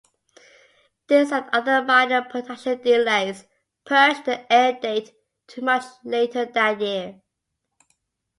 This and other minor production delays pushed the airdate to much later that year.